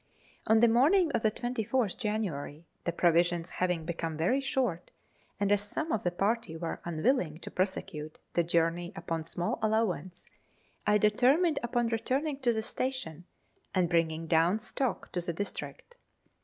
On the morning of the 24th January, the provisions having become very short, and as some of the party were unwilling to prosecute the journey upon small allowance, I determined upon Letters from Victorian Pioneers. 259 returning to the station and bringing down stock to the district.